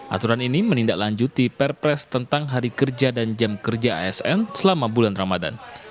aturan ini menindaklanjuti perpres tentang hari kerja dan jam kerja asn selama bulan ramadan